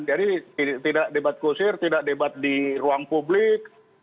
jadi tidak debat kusir tidak debat di ruang publik